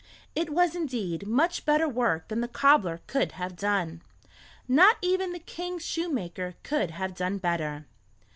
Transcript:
It was indeed much better work than the cobbler could have done. Not even the king's shoemaker could have done better.